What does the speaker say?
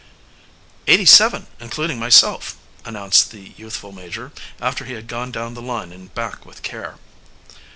"Eighty seven, including myself," announced the youthful major, after he had gone down the line and back with care.